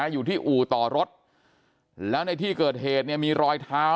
อยู่ที่อู่ต่อรถแล้วในที่เกิดเหตุเนี่ยมีรอยเท้า